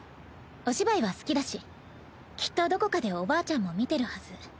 お芝居は好きだしきっとどこかでおばあちゃんも見てるはず。